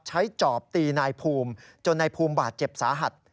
จอบตีนายภูมิจนนายภูมิบาดเจ็บสาหัส